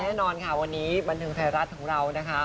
แน่นอนค่ะวันนี้บันเทิงไทยรัฐของเรานะคะ